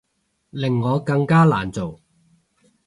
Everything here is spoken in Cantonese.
令我更加難做